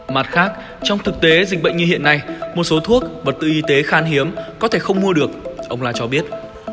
mặt khác trong thực tế dịch bệnh như hiện nay một số thuốc vật tư y tế khan hiếm có thể không mua được ông la cho biết